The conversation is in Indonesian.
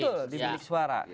betul di bilik suara